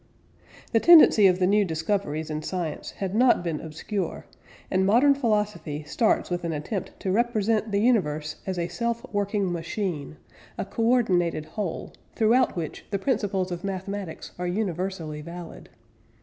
The tendency of the new discoveries in science had not been obscure, and Modern Philosophy starts with an attempt to represent the universe as a self working machine a co ordinated whole, throughout which the principles of mathematics are universally valid.